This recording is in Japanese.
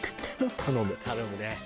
頼むね。